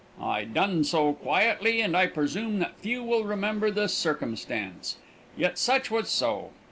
I done so quietly and I presume that few will remember the sircumstans, yet such was so.